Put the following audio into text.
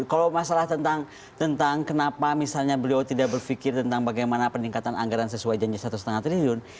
kalau masalah tentang kenapa misalnya beliau tidak berpikir tentang bagaimana peningkatan anggaran sesuai janji satu lima triliun